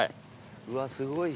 うわすごい。